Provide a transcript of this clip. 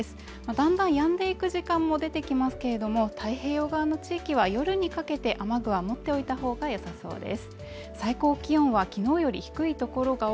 段々やんでいく時間も出てきますけれども、太平洋側の地域は夜にかけて雨具は持っておいた方が良さそうです。